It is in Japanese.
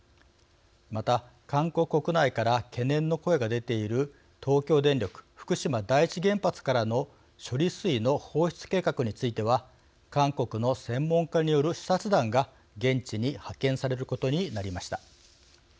また、韓国国内から懸念の声が出ている東京電力福島第一原発からの処理水の放出計画については韓国の専門家による視察団が現地に派遣されることになりました。